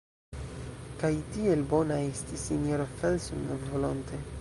Kaj tiel bona estis sinjoro Felsen volonte.